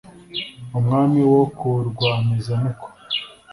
umwami wo ku rwamiza-miko